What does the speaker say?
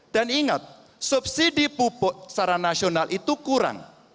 dan ingat subsidi pupuk secara nasional itu kurang